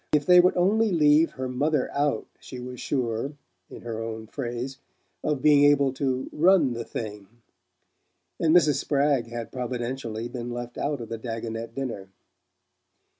If they would only leave her mother out she was sure, in her own phrase, of being able to "run the thing"; and Mrs. Spragg had providentially been left out of the Dagonet dinner.